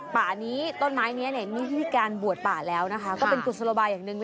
ป่านี้ต้นไม้นี้เนี่ยมีวิธีการบวชป่าแล้วนะคะก็เป็นกุศโลบายอย่างหนึ่ง